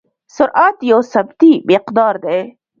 سرعت یو سمتي مقدار دی.